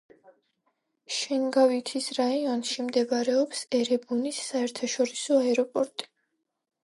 შენგავითის რაიონში მდებარეობს ერებუნის საერთაშორისო აეროპორტი.